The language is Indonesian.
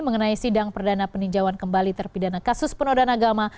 mengenai sidang perdana peninjauan kembali terpidana kasus penodaan agama